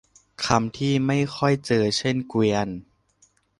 คำที่ไม่ค่อยเจอเช่นเกวียน